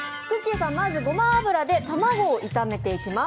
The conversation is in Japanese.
さん、まずごま油で卵を炒めていきます。